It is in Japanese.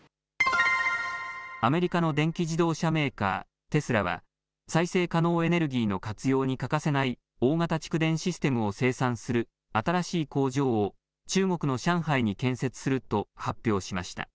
アメリカの電気自動車メーカー、テスラは、再生可能エネルギーの活用に欠かせない大型蓄電システムを生産する新しい工場を、中国の上海に建設すると発表しました。